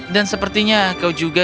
dan sepertinya kau juga tidak